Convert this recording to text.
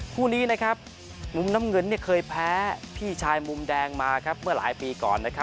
คู่นี้นะครับมุมน้ำเงินเนี่ยเคยแพ้พี่ชายมุมแดงมาครับเมื่อหลายปีก่อนนะครับ